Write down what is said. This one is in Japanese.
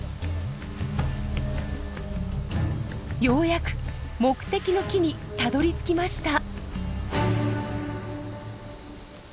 ようやく目的の木にたどりつきました。